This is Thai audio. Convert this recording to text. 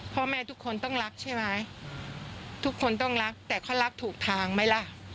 พ่อแม่ทุกคนต้องรักใช่ไหมทุกคนต้องรักแต่เขารักถูกทางไหมล่ะ